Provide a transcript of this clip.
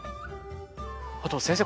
あと先生